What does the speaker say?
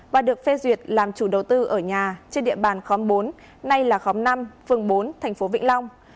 và được phê duyệt làm chủ đầu tư ở nhà trên địa bàn khóm bốn nay là khóm năm phường bốn thành phố vĩnh long